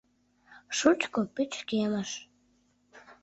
Шучко пычкемыш.